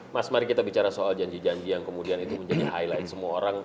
mas mari kita bicara soal janji janji yang kemudian itu menjadi highlight semua orang